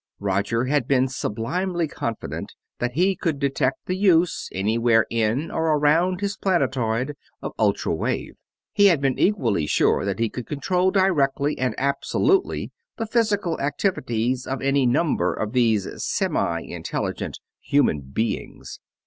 Roger had been sublimely confident that he could detect the use, anywhere in or around his planetoid, of ultra wave. He had been equally sure that he could control directly and absolutely the physical activities of any number of these semi intelligent "human beings".